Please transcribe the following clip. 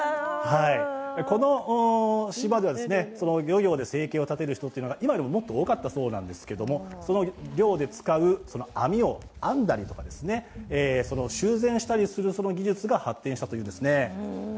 この島では漁業で生計を立てる人が今よりももっと多かったそうなんですけどその漁で使う網を編んだりとか、修繕したりする技術が発展したというんですね